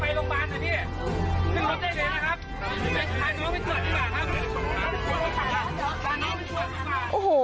กระดับอิกปิ์ต่อแม่เขาอยู่